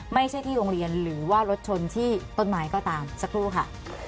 ไม่ใช่ที่โรงเรียนหรือว่ารถชนที่ต้นไม้ก็ตามสักครู่ค่ะ